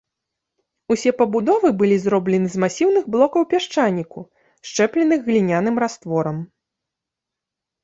Усе пабудовы былі зроблены з масіўных блокаў пясчаніку, счэпленых гліняным растворам.